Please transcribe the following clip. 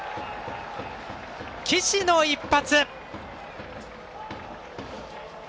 岸の一発！